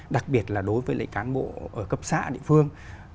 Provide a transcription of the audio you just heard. đặc biệt là đối với lại cán bộ ở cấp xã địa phương